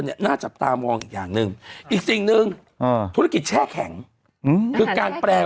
เธอยังรู้แต่เรื่องข้าวคันแต่